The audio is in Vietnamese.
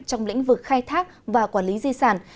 trong lĩnh vực khai thác và quản lý di sản